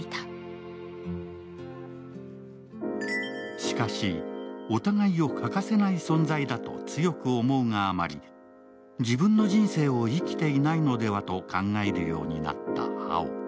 しかし、お互いを欠かせない存在だと強く思うがあまり自分の人生を生きていないのではと考えるようになった蒼。